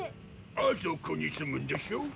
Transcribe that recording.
あそこに住むんでしょ？